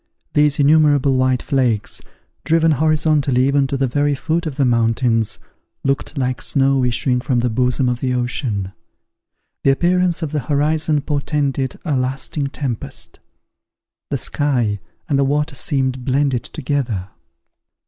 These innumerable white flakes, driven horizontally even to the very foot of the mountains, looked like snow issuing from the bosom of the ocean. The appearance of the horizon portended a lasting tempest; the sky and the water seemed blended together.